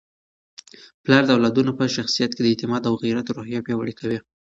پلار د اولادونو په شخصیت کي د اعتماد او غیرت روحیه پیاوړې کوي.